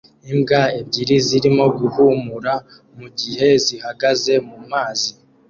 Imbwa ebyiri zirimo guhumura mugihe zihagaze mumazi